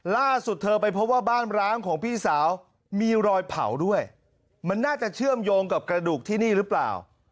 ล่าสุดเธอไปพบว่าบ้านร้างของพี่สาวมีรอยเผาด้วยมันน่าจะเชื่อมโยงกับกระดูกที่นี่หรือเปล่า